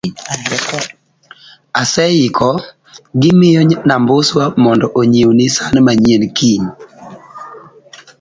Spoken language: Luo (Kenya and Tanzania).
aseiko gi miyo Nambuswa mondo onyiewni san manyien kiny